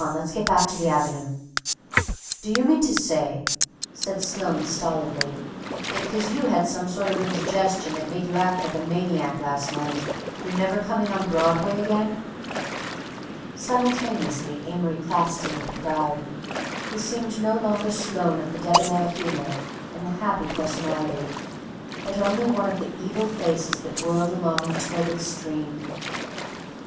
let's get back to the Avenue!" "Do you mean to say," said Sloane stolidly, "that 'cause you had some sort of indigestion that made you act like a maniac last night, you're never coming on Broadway again?" Simultaneously Amory classed him with the crowd, and he seemed no longer Sloane of the debonair humor and the happy personality, but only one of the evil faces that whirled along the turbid stream.